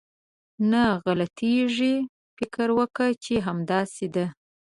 نه غلطېږي، فکر وکه چې همداسې ده.